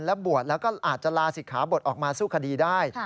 และบวชแล้วก็อาจจะลาศิกขาบทออกมาสู้คดีได้